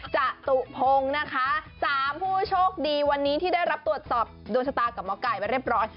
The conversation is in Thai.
โชคดีวันนี้ที่ได้รับตรวจสอบโดยสตากับหมอก่ายไปเรียบร้อย